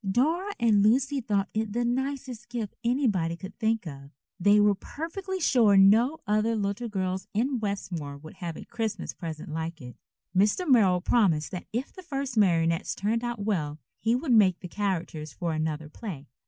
Dora and Lucy thought it the nicest gift anybody could think of. They were perfectly sure no other little girls in Westmore would have a Christmas present like it. Mr. Merrill promised that if the first marionettes turned out well he would make the characters for another play.